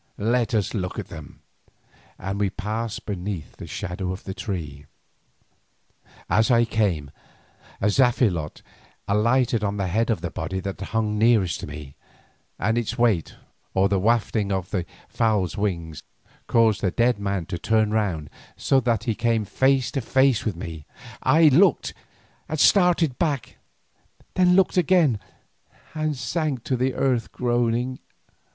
"Let us look at them," and we passed beneath the shadow of the tree. As I came, a zaphilote alighted on the head of the body that hung nearest to me, and its weight, or the wafting of the fowl's wing, caused the dead man to turn round so that he came face to face with me. I looked, started back, then looked again and sank to the earth groaning.